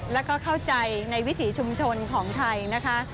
แล้วก็เข้าใจในวิถีชุมชนของไทยนะคะ